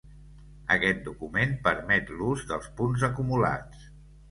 Aquest document permet l'ús dels punts acumulats.